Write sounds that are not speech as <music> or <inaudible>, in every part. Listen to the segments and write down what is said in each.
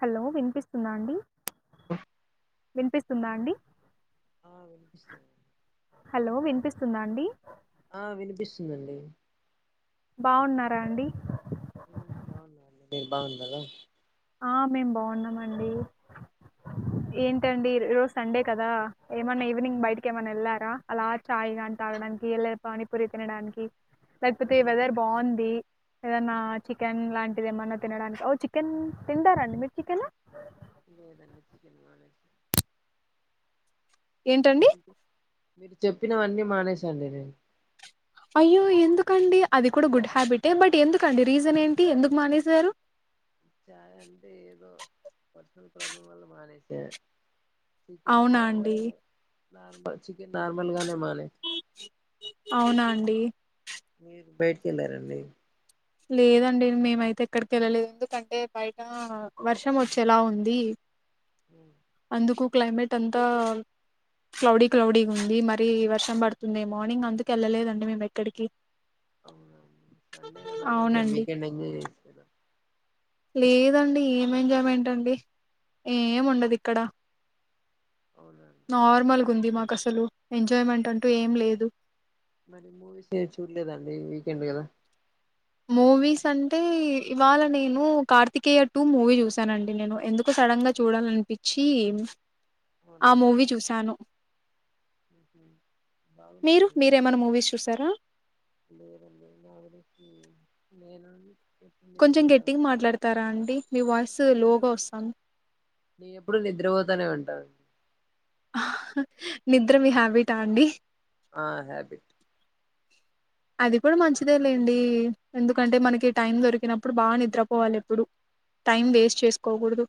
Hello వినిపిస్తుందా అండి. వినిపిస్త్. స్తుందా అండి. ఆ వినిపిస్తోంది. స్తుందాండి. ఆ వినిపిస్తుందండి. బావున్నారా అండి. హుమ్మ్ బాగున్నాండి మీరు బాగున్నారా. ఆ మేం బాగున్నామండి. ఏంటండి ఈ రోజు సండే కదా, ఏమన్నా ఈవినింగ్ బయటక్ ఏమన్నా ఏళ్ళారా అలా ఛాయ్ కానీ తాగడానికి, ఇలా పానీ పూరి తినడానికి. లేకపోతే వెదర్ లేదండి బాగుంది. ఏదన్నా చికెన్ లాంటిది, ఏమన్నా తినడానికి ఓ చికెన్. తింటారా అండి మీరు చికెన్. లేదండి చికెన్ <inaudible> ఏంటండీ. చికెన్ మీరు చెప్పినవన్నీ మానేశా అండి నేను. అయ్యో ఎందుకండి అది కూడా గుడ్ హ్యాబిటే, బట్ ఎందుకండి రీజన్ ఏంటి ఎందుకు మానేసారు. చాయ్ అంటే ఏదో. పర్సనల్ ప్రాబ్లమ్ వల్ల మానేస. చికెను అవునా నార్మల్ అండి గా. నార్మల్ చికెన్ నార్మల్గానే మా. అవునా అండి మీరు బయటికి వెళ్లారంండి లేదండి మేమైతే ఎక్కడికి వెళ్ళలేదు ఎందుకంటే బయట వర్షం వచ్చేలా ఉంది ఉమ్, అందుకు క్లైమేట్ అంతా క్లౌడీ క్లౌడీ గా ఉంది మరి వర్షం పడుతుందేమో అని అందుకు వెళ్ళలేదండి మేము ఎక్కడికి అలా కొంచం అవునండి వీకెండ్ ఎంజాయ్ చేయొచ్చు కదా లేదండి ఏం ఎంజాయ్మెంట్ అండి ఏం ఉండదు ఇక్కడ అవునండి నార్మల్ ఉంది మాకు అసలు ఎంజాయ్మెంట్ అంటూ ఏం లేదు మరి మూవీస్ ఏం చూడలేద అండి వీకెండ్ కదా మూవీస్ అంటే ఇవాళ నేను కార్తికేయ టూ మూవీ చూసానండి నేను ఎందుకో సడన్గా చూడాలనిపిచ్చి ఆ మూవీ చూశాను ఊహు మీరు బాగుందండి మీరేమైనా మూవీస్ చూసారా లేదండీ నాకు తెలిసి నేన అండి కొంచెం గెట్టిగా మాట్లాడతారా అండి మీ వాయిస్ నేను లోగా వస్తంది నేను ఎప్పుడు నిద్రపోతానే ఉంటానండి నిద్ర మీ హ్యాబిటా అండి ఆ హ్యాబిట్ అది కూడా మంచిదే లేండి ఎందుకంటే మనకి టైం దొరికినప్పుడు బాగా నిద్రపోవాలి ఎప్పుడు టైం వేస్ట్ చేసుకోకూడదు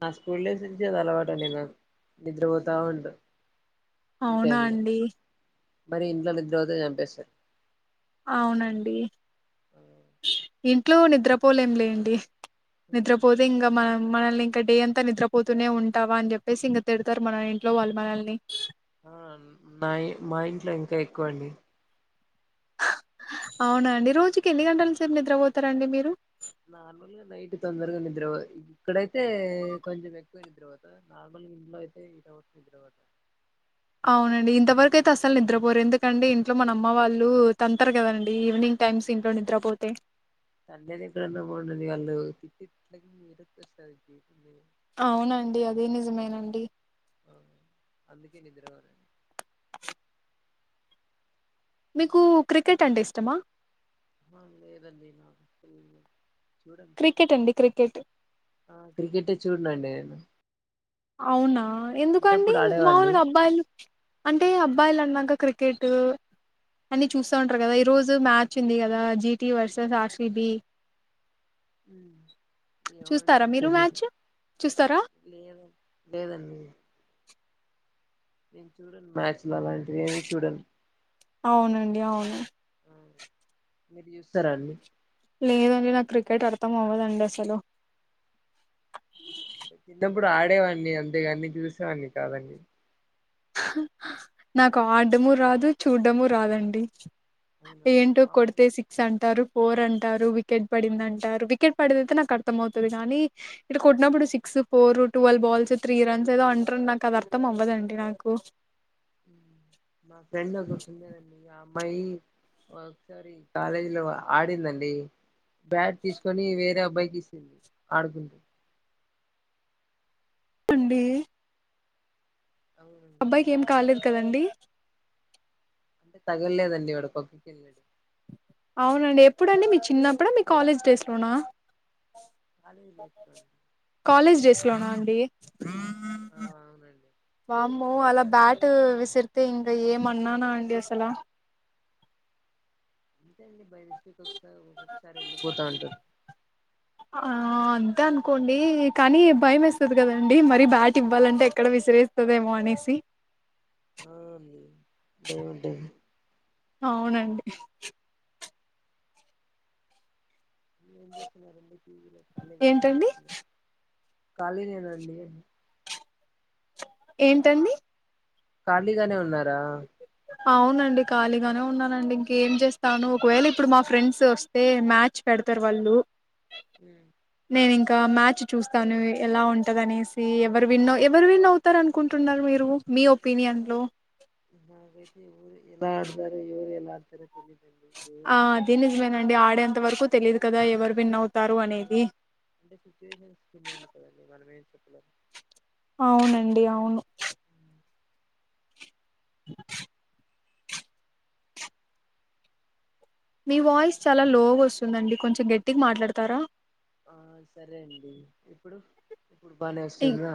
నా స్కూల్ డేస్ నుంచి అది అలవాటు అండి నేను నిద్రపోతా ఉంట అవునా అండి మరి ఇంట్లో నిద్రపోతే చంపేస్తారు అవునండి ఇంట్లో నిద్రపోలేం లేండి నిద్రపోతే ఇంగ మనం మనల్ని ఇంకా డే అంతా నిద్రపోతూనే ఉంటావా అని చెప్పేసి ఇంగ తిడతారు మన ఇంట్లో వాళ్ళు మనల్ని ఆ నా మా ఇంట్లో ఇంకా ఎక్కువ అండి అవునండి రోజుకి ఎన్ని గంటల సేపు నిద్రపోతారండి మీరు నార్మల్ గా నైట్ తొందరగా నిద్రపో ఇక్కడైతే కొంచెం ఎక్కువ నిద్రపోత తర్వాత నార్మల్ గా ఇంట్లో అయితే ఇట్ అ వస్తుయి తర్వాత అవునండి ఇంతవరకు అయితే అసలు నిద్రపోరు ఎందుకంటే ఇంట్లో మన అమ్మ వాళ్ళు తంతరు కదండి ఈవినింగ్ టైమ్స్ ఇంట్లో నిద్రపోతే అంటే నిద్ర అంత పోతది ఇగ వాళ్ళు తిట్టే తిట్లకు నిద్ర ఎట్ల వస్తాది నీకి అవునండి అదే నిజమేనండి అ అందుకే నిద్ర పోనండి మీకు క్రికెట్ అంటే ఇష్టమా ఆ లేదండి నాకు చూడండి క్రికెట్ అండి క్రికెట్ చూడండండి నేను అవునా ఎందుకండి చిన్నప్పుడు ఆడేవాడిని మాములుగా అబ్బాయిలు అంటే అబ్ మొబైల్ అన్నాక క్రికెట్ అన్ని చూస్తా ఉంటారు కదా ఈరోజు మ్యాచ్ ఉంది కదా జీటి వర్సెస్ ఆర్సీబి మ్మ్ ఎవడిదో మీరు తెలిదు మ్యాచ్? చూస్తారా? లేదమ్ లేదండి నేను చూడను మ్యాచ్ అవునండి అవును ఆ! మీరు చూస్తారా అండి లేదండి నాకు క్రికెట్ అర్థం అవ్వదండి అసలు అంటే చిన్నప్పుడు ఆడేవాన్ని అంతేగాని చూసేవాన్ని కాదండి నాకు ఆడ్డము రాదు చూడ్డము రాదండి అవునండి ఏంటో మా ఫ్రెండ్ కొడితే సిక్స్ అంటారు ఫోర్ అంటారు వికెట్ పడింది అంటారు వికెట్ పడేది అయితే నాకు అర్థం అవుతది కానీ ఇక్కడ కొట్టినప్పుడు six four twelve balls three runs ఏదో అంటారు నాకు అది అర్థం అవ్వదండి నాకు ఓ మ్మ్ మా ఫ్రెండ్ ఒకతుండేదండి యాప్ అమ్మాయి ఒకసారి కాలేజీ లో ఆడిందండి బ్యాట్ తీసుకొని వేరే అబ్బాయికి ఇసింది ఆడుకుంటూ ఆండీ అవునండి అబ్బాయికి ఏం కాలేదు కదండీ అంటే తగలలేదండి వాడు పక్క్కకెళ్ళాడు అవునండి ఎప్పుడండి మీ చిన్నప్పుడా మీ కాలేజ్ డేస్ లోనా కాలేజ్ లేస్తాండి కాలేజ్ డెస్ పోనా అండి ఆ అవునండి వామ్ మో అలా బ్యాట్ విసిరితే ఇంకా ఏమన్నానా అండి అసలా అంతే అండి బై మిస్టేక్ ఒకసారి ఒక్కొక్కసారి వెళ్ళిపోతా ఉంటది ఆ అంతే అనుకోండి కానీ భయమేస్తాది కదండి మరీ బ్యాట్ ఇవ్వాలంటే ఎక్కడ విసిరేస్తదేమో అనేసి ఆ అండి బే అంటే అవునండి ఏం చేస్తున్నారండి టీవీ లే కాలిగానే ఏంటండి? కూర్చున్నా కాళినేనండి ఏంటండి ఖాళీగానే ఉన్నారా అవునండి ఖాళీగానే ఉన్నానండి ఇంకేం చేస్తాను ఒకవేళ ఇప్పుడు మా ఫ్రెండ్స్ వస్తే మ్యాచ్ పెడతారు వాళ్ళు మ్మ్ నేను ఇంకా మ్యాచ్ చూస్తాను ఎలా ఉంటది అనేసి ఎవరు విన్ ఎవరు విన్ అవుతార అనుకుంటున్నారు మీరు మీ ఒపీనియన్లో నాకైతే ఎవురు ఎలా ఆడతారో ఎవరు ఎలా ఆడతారో తెలీదు ఆ అదే నిజమేనండి ఆడేంత వరకు తెలిదు కదా ఎవర్ విన్నవ్ మ్మ్ అంటే సిచ్యువేషన్స్ డిమాండ్ కదండి మనం ఏం చెప్పలేం అవునండి అవును మీ వాయిస్ చాలా లోగా వస్తుందండి కొంచెం గట్టిగా మాట్లాడతారా ఆ సరే అండి ఇప్పుడు ఇప్పుడు బానే టి వస్తుందా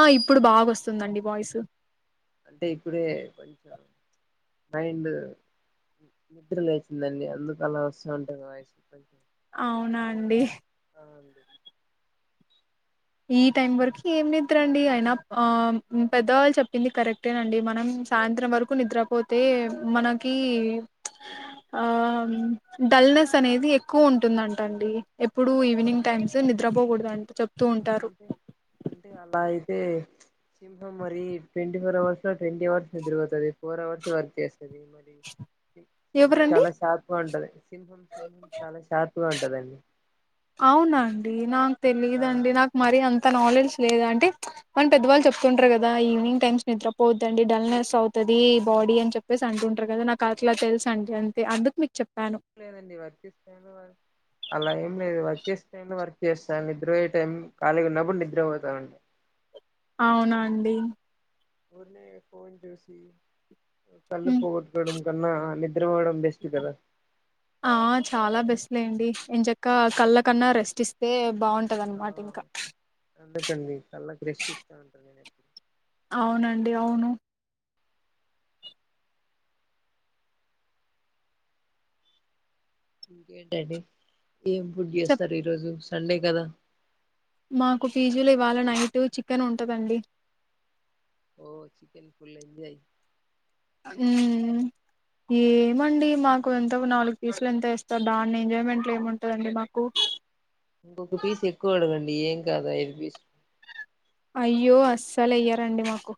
ఆ ఇప్పుడు బాగోస్తు దండి వాయ్స్ అంటే ఇప్పుడే కొంచెం మైండ్ నిద్ర లేచిందండి అందుకు అలా వస్తూ ఉంటుంది వాయిసు కొంచెం అవునా అండి ఆ అండి ఈ టైం వరకు ఏం నిద్ర అండి అయినా ఆ పెద్దవాళ్ళు చెప్పింది కరెక్టేనండి మనం సాయంత్రం వరకు నిద్రపోతే మనకి ఆ డల్నెస్ అనేది ఎక్కువ ఉంటుందంట అండి ఎప్పుడు ఈవినింగ్ టైమ్స్ నిద్రపోకూడదు అంట చెప్ అంటే అంటే అలా అయితే సింహం మరి ట్వంటీ ఫోర్ అవర్స్ లో ట్వంటీ అవర్స్ నిద్రపోతది ఫోర్ అవర్స్ వర్క్ చేస్ మరి మరి సింహం ఎవరండి చాలా షార్ప్ గా ఉంటది సింహం సింహం చాలా షార్ప్ గా ఉంట్ రండి అవునండి నా తెలీదండి నాకు మరీ అంత నాలెడ్జ్ లేదా అంటే మన పెద్దవాళ్ళు చెప్తుంటారు కదా ఈవవినింగ్ టైమ్స్ నిద్రపోద్ద్దండి డల్నెస్ అవుతుంది బాడీ అని చెప్పేసి అంటుంటారు కదా నాకు అట్లా తెలుస అండి అంతే అందుకు మీకు చెప్ ఏం లేదండి వర్క్స్తా అలా ఏం లేదు వర్స్త టై వర్క్ చేస్తాను నిద్రయే టైం ఖాళీ ఉన్నప్పుడు నిద్ర పోతామండి అవునా అండి ఊరిని ఫోన్ చూసి హ్మ్. తల్నపోవద్దడం కన్నా నిబ్ ఆ చాలా బెస్ట్ లేండి ఇం చెక్క కళ్ళ కన్నా రెస్ట్ ఇస్తే ఆ బాగుంటదనమాట ఇంకా అందుకండి కళ్ళా క రెష్టి ఇస్తా ఉంట నేను ఎప్పుడు అవునండి అవును ఇంకేటండి ఏం ఫుడ్ చెప్ చేస్తార్ ఈ రోజు సండే కదా మాకు పీజీ లో ఇవాళ నైట్ చికెన్ ఉంటుందండి ఓ చికెన్ ఫుల్ ఎంజాయ్ ఉమ్ ఏమండి మాకు ఎంత నాలుగు పీసులు ఎంత ఇస్తారు దాన్ని ఎంజాయ్మెంట్లు ఏముంటందండి మాకు ఇంకొక పీస్ ఎక్కువ అడగండి ఏం కాదు ఐదు పీస్ అయ్యో అస్సలు ఎయ్యారండి మాకు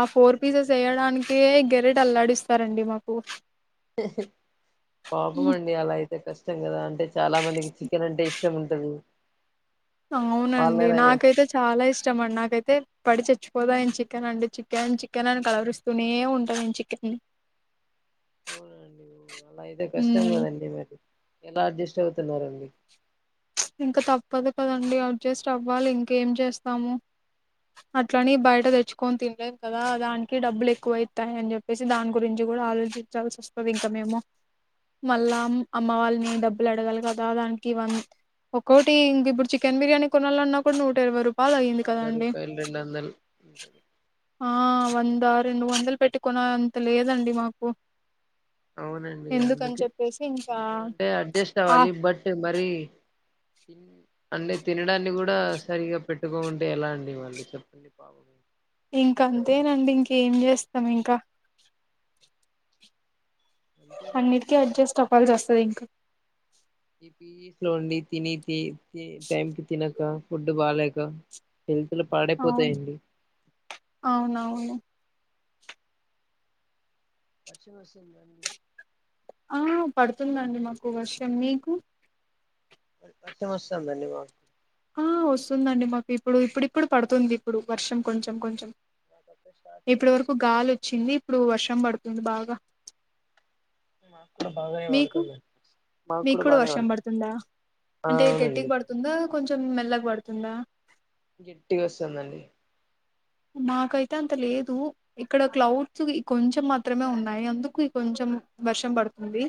ఆ ఫోర్ అయ్యో పీసెస్ ఎయడానిక్ ఏ గెరెట్ అల్లాడిస్తారండి మాకు పాపం అండి అలయి కష్టం కదా అంటే చాలా మందికి చికెన్ అంటే ఇష్ టం ఉంటది వాళ్ళు అవునండి ఎలా చేస్ నాకైతే చాలా ఇష్టం అండి నాకైతే పడిచచ్చ మర్చిపోదా చికెన్ అండి చికెన్ చికెన్ అని కలరిస్తూనే ఉంటుంది చికెన్ అవునండి అలా అయితే కష్టం మ్మ్ కదండి మరి ఎలా అడ్జస్ట్ అవుతున్నడి ఇంకా తప్పదు కదండి అట్ చేస్ట్ అవ్వాలి ఇంక ఏం చేస్తాము అట్లని బయట తెచ్చుకొని తినలేము కదా దానికి డబ్బులు ఎక్కువవుతాయి అని చెప్పేసి దాని గురించి కూడా ఆలోచించాల్సి వస్తుంది ఇంకా మేము మళ్ళా అమ్మ వాళ్ళని డబ్బులు అడగాలి కదా దానికి వన్ ఒక్కొటి ఇంక ఇప్పుడు చికెన్ బిర్యానీ కొనాలన్నా కూడా నూట ఇరవై రూపాయ పంద రూపాయలు రెండందలు ఉంట ఆ వంద రెండు వందలు పెట్టుకున్న అంత లేదండి మాకు అవునండి ఎందుకని చెప్పేసి ఇంకా అందుకేేమంటే అడ్జస్ట్ ఆ అవ్వాలి బట్ మరి అంటే తినడాన్ని కూడా సరిగా పెట్టుకో ఉంటే ఎలా అండి మళ్ళీ చెప్పండి పాప ఇంకా అంతేనండి ఇంక ఏం చేస్తాం ఇంకా అంతే మనం అన్నిటికి అడ్జెస్ట్ టప్పాలస్త సరే ఇంకా ఈ పస్ లోండి తిని టైం కి తినక ఫుడ్డు బాాలేక హల్తులు అవును పాడైపోతాయండి అవునవును పశ్చిమ వచం ఆ పడుతుందండి మాకు వర్షం మీకు అసమస్తం ధన్యవాద ఆ వస్తుందండి మాకు ఇప్పుడు ఇప్పుడుప్పుడు పడుతుంది ఇప్పుడు వర్షం కొంచెం కొంచెం మాకప్పుడే స్టార్ట్ ఇప్పటి వరకు చేసిందండి గాలి వచ్చింది ఇప్పుడు వర్షం పడుతుంది త బాగా మాక్కడ బాగా మీకు వాడుతుంది మీకు కూడా వర్షం పడుతుందా ఆ అంటే గట్టికి అవునండి పడుతుందా కొంచెం మెల్లగా పడుతుందా గటి బస్తందండి మాకైతే అంత లేదు ఇక్కడ క్లౌడ్స్ కొంచెం మాత్రమే ఉన్నాయి అందుకు కొంచెం వర్షం పడుతుంది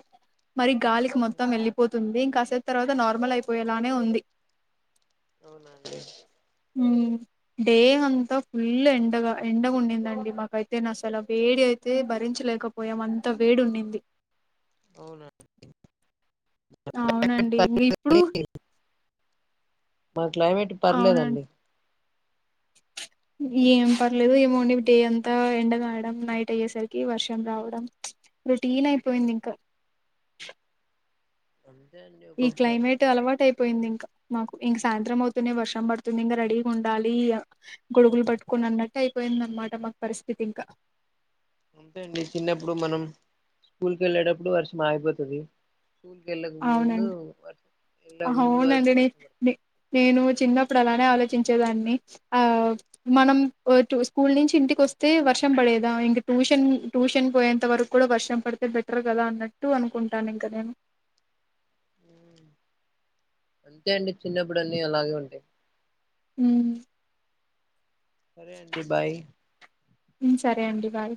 మరి గాలికి మొత్తం వెళ్లిపోతుంది ఉంది ఇంకాసే తర్వాత నార్మల్ అయిపోయేలానే ఉంది అవునాండి హ డే అంత ఇల్లు ఎండగా ఎండగా ఉందండి మాకైతే నా అసలు వేడి అయితే భరించలేకపోయాం అంత వేడి ఉండింది అవునా అండి అవునండి ఇంకా ఇప్పుడు బస్ క్లైమేట్ అవునండి పర్లేదండి ఏం పర్లేదు ఏమో అండి డే అంతా ఎండగాయడం నైట్ అయ్యేసరికి వర్షం రావడం రొటీన్ అయిపోయింది ఇంకా అది ఈ క్లైమేట్ అలవాటు అయిపోయింది ఇంకా మాకు ఇంక సాయంత్రం అవుతునే వర్షం పడుతుంది ఇంకా రెడీగా ఉండాలి, గొడుగులు పట్టుకొని అన్నట్టు అయిపోయింద అన్నమాట మాకు పరిస్థితి ఇంకా అంతే అండి చిన్నప్పుడు మనం స్కూల్ క వెళ్ళేటప్పుడు వర్ష మాగిపోతుది సూల్కెకీ వెళ్ళాక ముందు అవునండి వ అవునండి నేను నే ను నువ్ చిన్నపుడు అలా ఆలోచించేదాని అ మనం స్కూల్ ను ఇంటికి వస్తే వర్షం పడేదా, ఇం టూషన్ టూషన్ పోయేంత వరకు కూడా వర్షం పడితే బెటర్ కదా అన్నట్టు అనుకుంటాను ఇంక నేను మ్ అంతే అండి చిన్నప్పుడు అన్నీ అలాగే ఉంటాయి మ్ సరే అండి భాయి మ్ సరే అండి బాయ్